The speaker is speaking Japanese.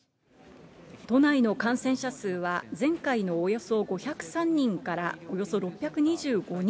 都内の感染者数は、前回のおよそ５０３人からおよそ６２５人